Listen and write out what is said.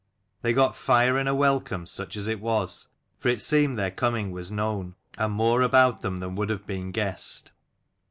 They got fire and a welcome, such as it was ; for it seemed their coming was known, and more about them than would have been guessed.